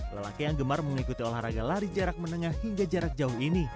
lelaki yang gemar mengikuti olahraga lari jarak menengah hingga jarak jauh ini